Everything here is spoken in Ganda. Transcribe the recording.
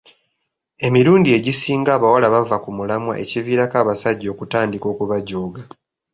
Emirundi egisinga abawala bava ku mulamwa ekiviirako abasajja okutandika okubajooga.